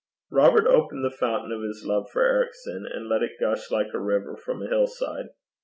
Robert opened the fountain of his love for Ericson, and let it gush like a river from a hillside.